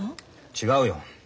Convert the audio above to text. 違うよ。